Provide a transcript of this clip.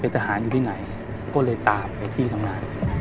ทหารอยู่ที่ไหนก็เลยตามไปที่ทำงาน